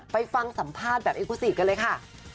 ไปฟังสัมภาษณ์แบบเอ็กูซีดกันเลยค่ะ